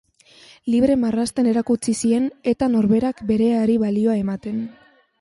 Libre marrazten erakutsi zien eta norberak bereari balioa ematen.